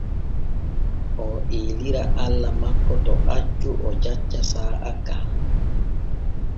Oo eelira Allah makko to accu o jacca saa’a ka.